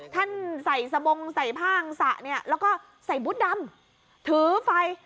ท่านใส่สบงใส่ผ้าอังสระเนี่ยแล้วก็ใส่บุตรดำถือไฟ